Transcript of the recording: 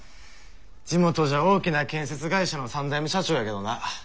地元じゃ大きな建設会社の三代目社長やけどな。